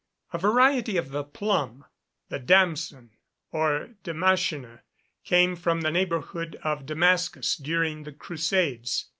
A variety of the plum, the damson, or damascene, came from the neighbourhood of Damascus during the Crusades.